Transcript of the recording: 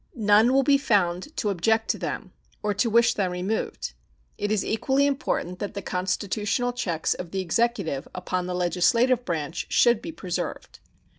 None will be found to object to them or to wish them removed. It is equally important that the constitutional checks of the Executive upon the legislative branch should be preserved.